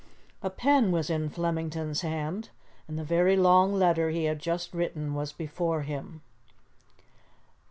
A pen was in Flemington's hand, and the very long letter he had just written was before him.